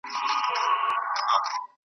د نر هلک ژړا په زانګو کي معلومېږي .